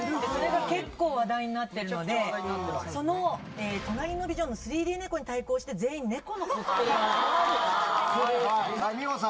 それが結構、話題になってるので、その隣のビジョンの３Ｄ猫に対抗して、全員、猫のコスプレを。